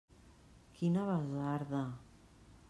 Quina basarda!